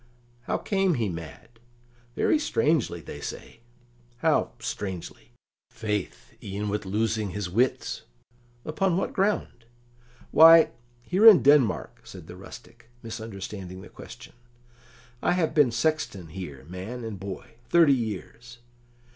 "How came he mad?" "Very strangely, they say." "How 'strangely'?" "Faith, e'en with losing his wits." "Upon what ground?" "Why, here in Denmark," said the rustic, misunderstanding the question. "I have been sexton here, man and boy, thirty years."